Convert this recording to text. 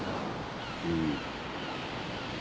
うん。